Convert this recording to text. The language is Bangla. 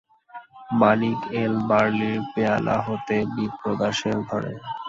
মানিক এল বার্লির পেয়ালা হাতে বিপ্রদাসের ঘরে।